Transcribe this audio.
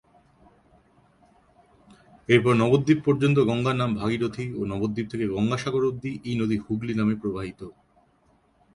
এরপর নবদ্বীপ পর্যন্ত গঙ্গার নাম ভাগীরথী ও নবদ্বীপ থেকে গঙ্গাসাগর অবধি এই নদী হুগলি নামে প্রবাহিত।